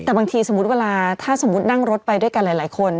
แต่บางทีสมมุติเวลาถ้าสมมุตินั่งรถไปด้วยกันหลายคน